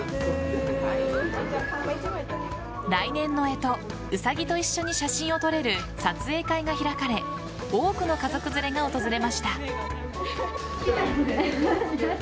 来年の干支・ウサギと一緒に写真を撮れる撮影会が開かれ多くの家族連れが訪れました。